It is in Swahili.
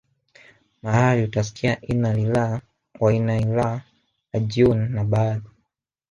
mahali utasikia innalillah wainnailah rajiuun na baadhi